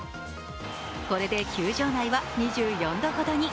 これで球場内は２４度ほどに。